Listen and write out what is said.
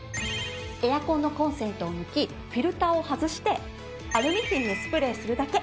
エアコンのコンセントを抜きフィルターを外してアルミフィンにスプレーするだけ。